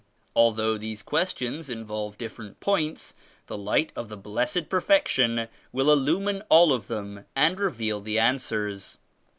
Al though these questions involve different points, the Light of the Blessed Perfection will illumine all of them and reveal the answers.